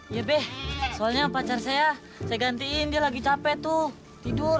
nyebeh soalnya pacar saya saya gantiin dia lagi capek tuh tidur